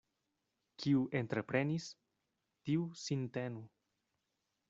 Kiu entreprenis, tiu sin tenu.